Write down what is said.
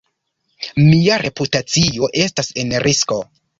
Mia reputacio estas en risko.